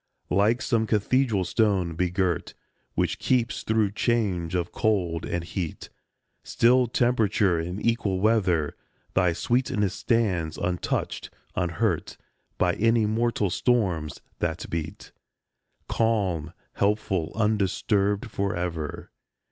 56 THE SOUL'S CLIMATE Like some cathedral stone begirt, Which keeps through change of cold and heat Still temperature and equal weather, Thy sweetness stands, untouched, unhurt By any mortal storms that beat, Calm, helpful, undisturbed forever.